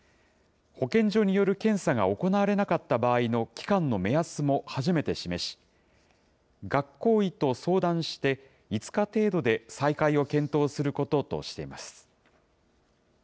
保健所による検査が行われなかった場合の期間の目安も初めて示し、学校医と相談して、５日程度で再開を検討することとしています。